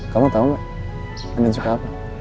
kamu tau gak suka apa